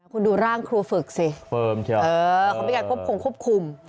คุณดูร่างครูฝึกสิเกี่ยวกับการควบคุม